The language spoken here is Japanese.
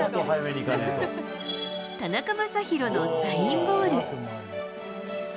田中将大のサインボール。